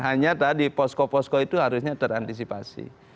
hanya tadi posko posko itu harusnya terantisipasi